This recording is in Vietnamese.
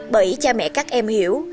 bởi cha mẹ các em hiểu